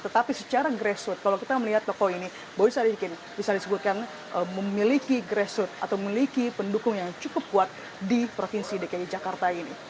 tetapi secara grassroot kalau kita melihat tokoh ini boy sadiqin bisa disebutkan memiliki grassroot atau memiliki pendukung yang cukup kuat di provinsi dki jakarta ini